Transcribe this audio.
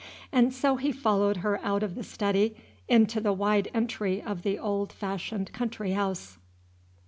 And so he followed her out of the study into the wide entry of the old fashioned country house.